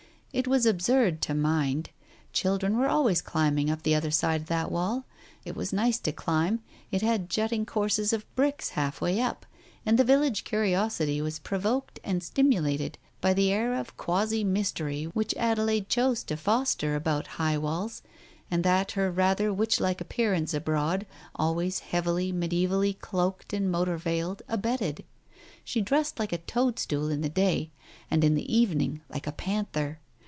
It was absurd to mind. Children were always climbing up the other side of that wall ; it was nice to climb, it had jutting courses of bricks half way up, and the village curiosity was provoked and stimulated by the air of quasi mystery which Adelaide chose to foster about High Walls, and that her rather witch like appear ance abroad, always heavily, mediaevally cloaked and motor veiled, abetted. She dressed like a toadstool in the day. And in the evening like a panther.